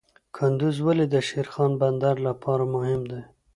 کندز ولې د شیرخان بندر لپاره مهم دی؟